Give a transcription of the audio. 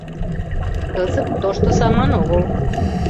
Кызыт тошто саман огыл.